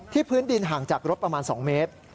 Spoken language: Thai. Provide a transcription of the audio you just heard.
พื้นดินห่างจากรถประมาณ๒เมตร